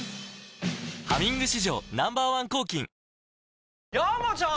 「ハミング」史上Ｎｏ．１抗菌山ちゃん！